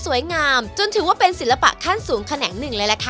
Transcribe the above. สวยงามจนถือว่าเป็นศิลปะค่านสูงแขน่ง